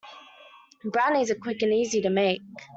Brownies are quick and easy to make.